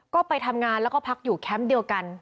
ก็ไปทำงานแล้วก็พักอยู่แคมป์เดียวกัน